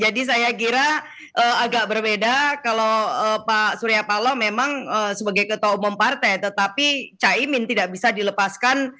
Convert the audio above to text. jadi saya kira agak berbeda kalau pak surya palo memang sebagai ketua umum partai tetapi caimin tidak bisa dilepaskan